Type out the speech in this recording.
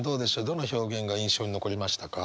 どの表現が印象に残りましたか？